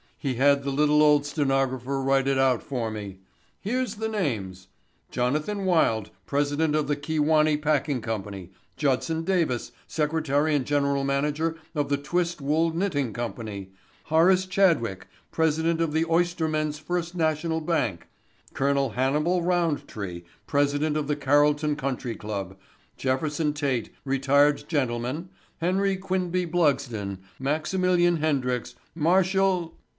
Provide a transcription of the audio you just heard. "He had the little old stenographer write it out for me. Here's the names: Jonathan Wilde, president of the Kewanee Packing Company; Judson Davis, secretary and general manager of the Twistwool Knitting Company; Horace Chadwick, president of the Oystermen's First National Bank; Col. Hannibal Roundtree, president of the Carrolton Country Club; Jefferson Tait, retired gentleman; Henry Quinby Blugsden, Maximilian Hendricks, Marshall...."